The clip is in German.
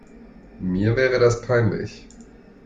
Mir wäre das peinlich.